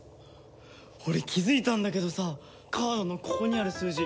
俺気づいたんだけどさカードのここにある数字。